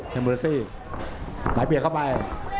เฮมพูเลสซี่ไมค์เปลี่ยนเข้าไป